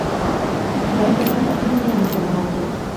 د کاري فشار اغېزې اوږدمهاله دي.